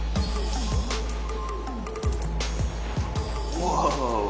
うわ。